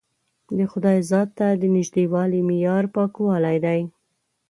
د خدای ذات ته د نژدېوالي معیار پاکوالی دی.